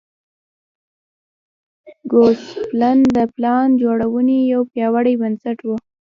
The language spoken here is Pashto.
ګوسپلن د پلان جوړونې یو پیاوړی بنسټ و.